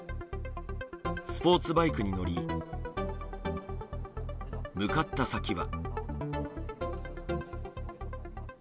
スポーツバイクに乗り向かった先は。